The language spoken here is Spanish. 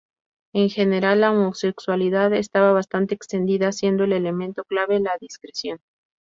En general, la homosexualidad estaba bastante extendida, siendo el elemento clave la discreción.